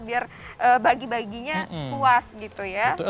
biar bagi baginya puas gitu ya